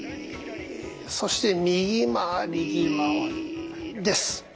そして右回りです。